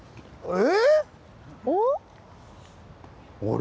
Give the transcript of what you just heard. え？